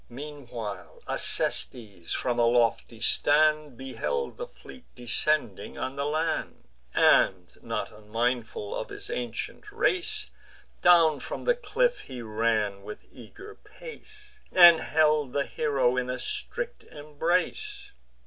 Meantime Acestes, from a lofty stand, Beheld the fleet descending on the land; And, not unmindful of his ancient race, Down from the cliff he ran with eager pace, And held the hero in a strict embrace.